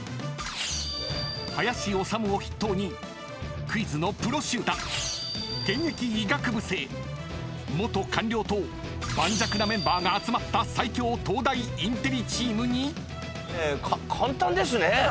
［林修を筆頭にクイズのプロ集団現役医学部生元官僚と盤石なメンバーが集まった最強東大インテリチームに］